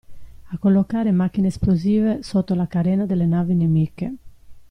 A collocare macchine esplosive sotto la carena delle navi nemiche.